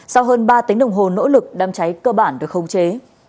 sau hơn ba tính đồng hồ nỗ lực đám cháy cơ bản được không chế